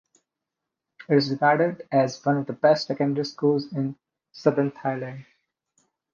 It is regarded as one of the best secondary schools in Southern Thailand.